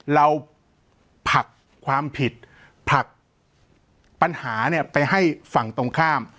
เราผลักความผิดผลักปัญหาไปให้ฝั่งตรงข้าม